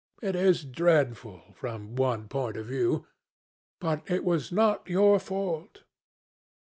"It is dreadful, from one point of view, but it was not your fault.